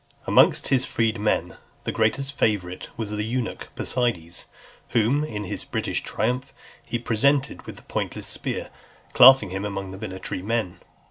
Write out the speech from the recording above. Amongst his freedmen, the greatest favourite was the eunuch Posides, whom, in his British triumph, he presented with the pointless spear, classing him among the military men.